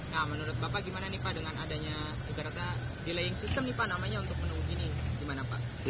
nah menurut bapak gimana nih pak dengan adanya delaying sistem namanya untuk menunggu ini